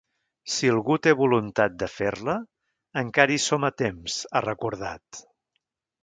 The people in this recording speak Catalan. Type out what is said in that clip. Si algú té voluntat de fer-la, encara hi som a temps, ha recordat.